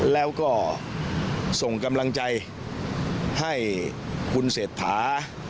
แล้วก็ส่งกำลังใจให้คุณเศรษฐา